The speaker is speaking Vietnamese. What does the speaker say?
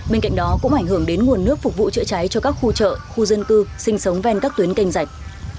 bên cạnh đó cũng ảnh hưởng đến nguồn nước phục vụ chữa cháy cho các khu chợ khu dân cư sinh sống ven các tuyến canh rạch